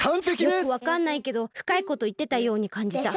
よくわかんないけどふかいこといってたようにかんじた。